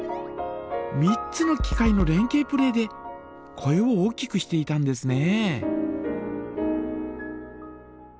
３つの機械の連係プレーで声を大きくしていたんですね。